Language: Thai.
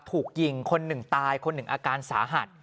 ถูกยิงคนหนึ่งตายคนหนึ่งอาการสาหัส